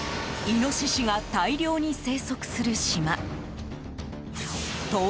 イノシシが大量に生息する島。